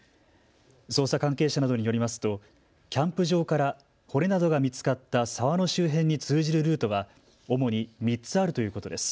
捜査関係者などによりますとキャンプ場から骨などが見つかった沢の周辺に通じるルートは主に３つあるということです。